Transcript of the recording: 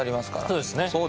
そうですね。